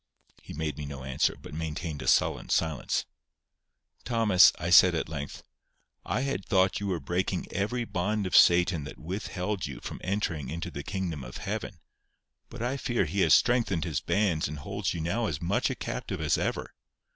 He made me no answer, but maintained a sullen silence. "Thomas," I said at length, "I had thought you were breaking every bond of Satan that withheld you from entering into the kingdom of heaven; but I fear he has strengthened his bands and holds you now as much a captive as ever.